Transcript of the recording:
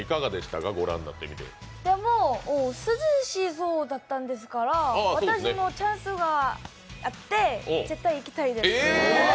涼しそうだったんですから、私もチャンスがあって絶対行きたいです。